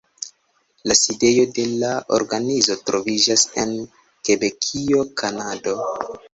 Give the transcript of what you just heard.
La sidejo de la organizo troviĝas en Kebekio, Kanado.